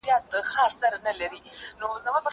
زه د کتابتون د کار مرسته کړې ده؟!